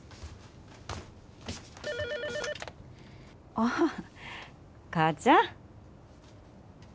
☎ああ母ちゃん。